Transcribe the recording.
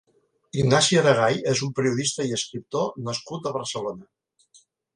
Ignasi Aragay és un periodista i escriptor nascut a Barcelona.